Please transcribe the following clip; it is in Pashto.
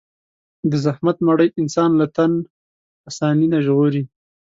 د زحمت مړۍ انسان له تن آساني نه ژغوري.